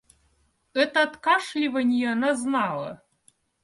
Это откашливанье она знала.